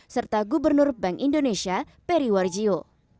serta gubernur bank indonesia peri warjio